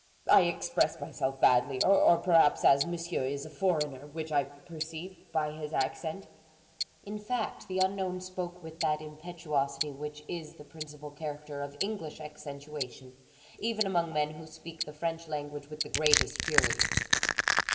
I express myself badly, or perhaps, as monsieur is a foreigner, which I perceive by his accent—" In fact, the unknown spoke with that impetuosity which is the principal character of English accentuation, even among men who speak the French language with the greatest purity.